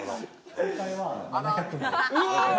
正解は７００万。